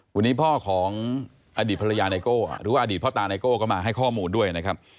วันนี้พ่อของอดีตภรรยาไนโก้หรือว่าอดีตพ่อตาไนโก้ก็มาให้ข้อมูลด้วยนะครับ